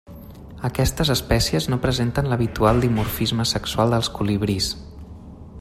Aquestes espècies no presenten l'habitual dimorfisme sexual dels colibrís.